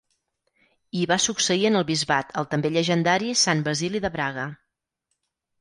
Hi va succeir en el bisbat el també llegendari Sant Basili de Braga.